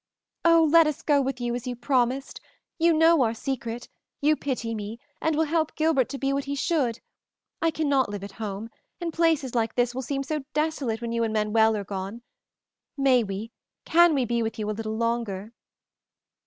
"Oh, let us go with you as you promised! You know our secret, you pity me and will help Gilbert to be what he should. I cannot live at home, and places like this will seem so desolate when you and Manuel are gone. May we, can we be with you a little longer?"